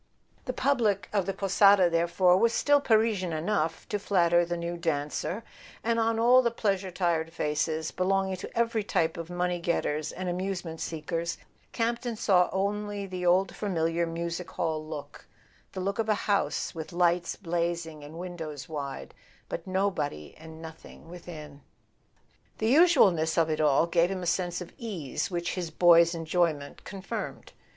The public of the "Posada," therefore, was still Parisian enough to flatter the new dancer; and on all the pleasure tired faces, belonging to every type of money getters and amusement seekers, Campton saw only the old familiar music hall look: the look of a house with lights blazing and windows wide, but no¬ body and nothing within. The usualness of it all gave him a sense of ease which his boy's enjoyment confirmed.